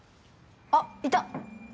あっいた！